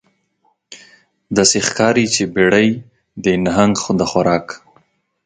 داسې ښکاري چې بیړۍ د نهنګ د خوراک